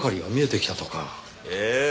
ええ。